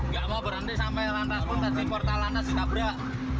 jangan berhenti sampai lantas pun tapi portal lantas kita berak